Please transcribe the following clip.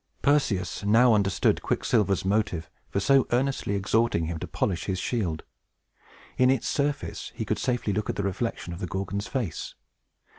Perseus now understood Quicksilver's motive for so earnestly exhorting him to polish his shield. In its surface he could safely look at the reflection of the Gorgon's face.